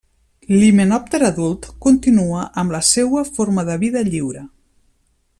L'himenòpter adult continua amb la seua forma de vida lliure.